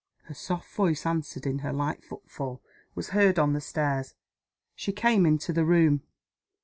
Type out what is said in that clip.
Her soft voice answered; her light footfall was heard on the stairs. She came into the room.